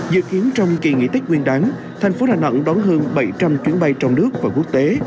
dự kiến trong kỳ nghỉ tết nguyên đáng thành phố đà nẵng đón hơn bảy trăm linh chuyến bay trong nước và quốc tế